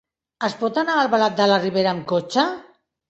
Es pot anar a Albalat de la Ribera amb cotxe?